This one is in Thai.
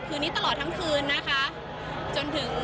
ตอนนี้เป็นครั้งหนึ่งครั้งหนึ่ง